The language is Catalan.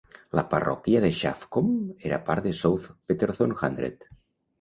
La parròquia de Chaffcombe era part de South Petherton Hundred.